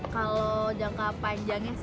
kalau jangka panjangnya sih